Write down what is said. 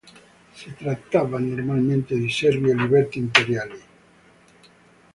Si trattava normalmente di servi e liberti imperiali.